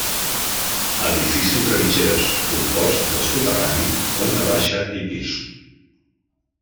Edifici entre mitgeres, compost de soterrani, planta baixa i pis.